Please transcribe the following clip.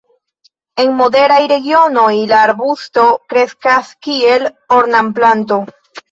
En moderaj regionoj la arbusto kreskas kiel ornamplanto.